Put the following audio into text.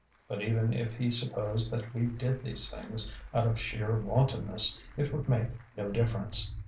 But even if he supposed that we did these things out of sheer wantonness it would make no difference.